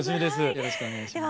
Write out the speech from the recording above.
よろしくお願いします。